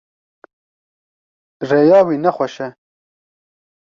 Rêya wî ne xweş e.